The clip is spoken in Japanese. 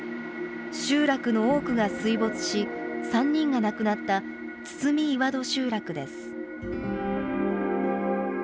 集落の多くが水没し、３人が亡くなった堤岩戸集落です。